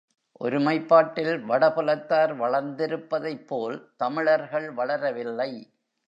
ஒருமைப்பாட்டில் வடபுலத்தார் வளர்ந்திருப்பதைப் போல் தமிழர்கள் வளரவில்லை.